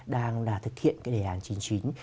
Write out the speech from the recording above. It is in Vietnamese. đang là thực hiện cái đề án chính chính